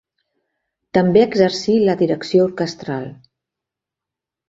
També exercí la direcció orquestral.